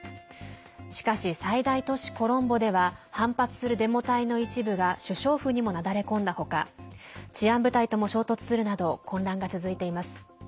しかし、最大都市コロンボでは反発するデモ隊の一部が首相府にもなだれ込んだほか治安部隊とも衝突するなど混乱が続いています。